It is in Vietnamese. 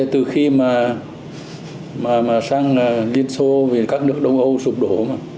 từ khi mà sang liên xô về các nước đông âu sụp đổ